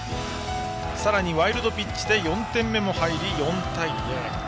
さらにワイルドピッチで４点目も入り４対０。